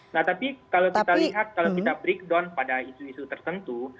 nah tapi kalau kita lihat kalau kita breakdown pada isu isu tertentu